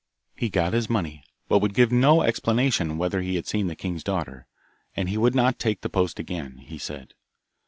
He got his money, but would give no explanation whether he had seen the king's daughter, and he would not take the post again, he said.